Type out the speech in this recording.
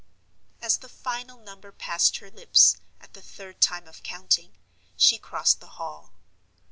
As the final number passed her lips at the third time of counting, she crossed the Hall.